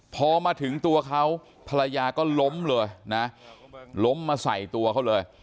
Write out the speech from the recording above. พอมาถึงตัวเขาภรรยาก็ล้มเลยนะล้มมาใส่ตัวเขาเลย